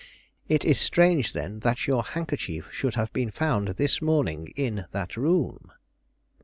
"It is strange, then, that your handkerchief should have been found this morning in that room."